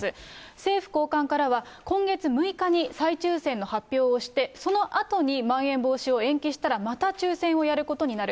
政府高官からは、今月６日に再抽せんの発表をして、そのあとにまん延防止を延期したらまた抽せんをやることになる。